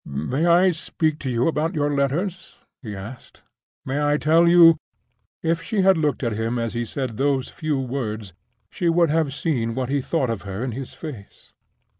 "May I speak to you about your letters?" he asked. "May I tell you—?" If she had looked at him as he said those few words, she would have seen what he thought of her in his face.